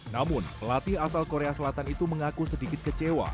namun pelatih asal korea selatan itu mengaku sedikit kecewa